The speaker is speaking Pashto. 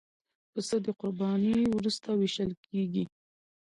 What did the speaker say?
پسه د قربانۍ وروسته وېشل کېږي.